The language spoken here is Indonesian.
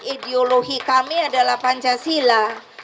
ideologi kami adalah pancasila